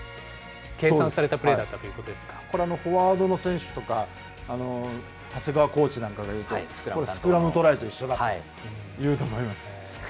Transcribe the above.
計算されたプレーだったというここれ、フォワードの選手とか、はせがわコーチなんかが、スクラムトライと一緒だと言うと思います。